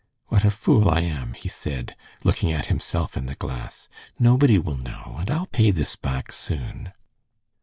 "What a fool I am!" he said, looking at himself in the glass. "Nobody will know, and I'll pay this back soon."